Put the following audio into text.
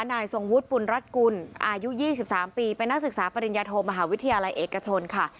นายทรงวุฒิปุณรัฐกุลอายุ๒๓ปีเป็นนักศึกษาปริญญาโทมหาวิทยาลัยเอกชนค่ะ